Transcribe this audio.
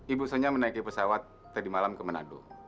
ibu saya menaiki pesawat tadi malam ke manado